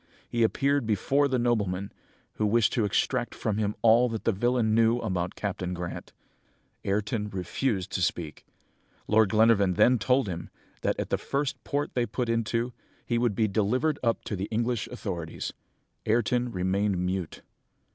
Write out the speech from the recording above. He appeared before the nobleman, who wished to extract from him all that the villain knew about Captain Grant. Ayrton refused to speak. Lord Glenarvan then told him, that at the first port they put into, he would be delivered up to the English authorities. Ayrton remained mute.